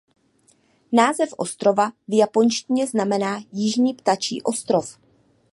Název ostrova v japonštině znamená „Jižní ptačí ostrov“.